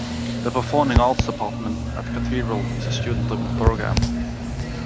The Performing Arts department at Cathedral is a student driven program.